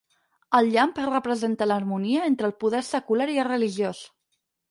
El llamp representa l'harmonia entre el poder secular i el religiós.